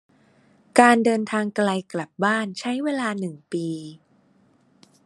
การเดินทางไกลกลับบ้านใช้เวลาหนึ่งปี